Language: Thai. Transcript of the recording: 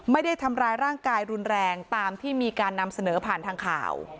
ไม่ได้ทำร้ายร่างกายรุนแรงตามที่มีการนำเสนอผ่านทางข่าว